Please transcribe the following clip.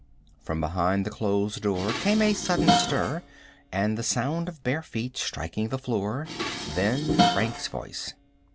From behind the closed door came a sudden stir and the sound of bare feet striking the floor; then Frank's voice.